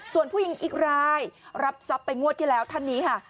ส่วนผู้หญิงอีกรายรับทรัพย์ไปงวดที่แล้วท่านนี้ค่ะ